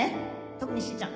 特にしーちゃん。